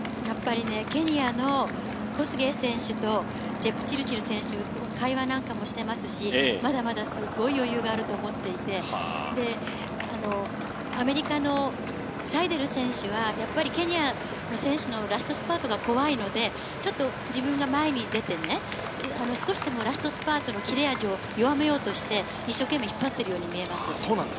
ケニアのコスゲイ選手と、ジェプチルチル選手会話なんかもしてますし、まだまだすごい余裕があると思っていって、アメリカのサイデル選手はやっぱりケニアの選手のラストスパートが怖いので、自分が前に出て、少しでもラストスパートの切れ味を弱めようとして一生懸命引っ張っているように見えます。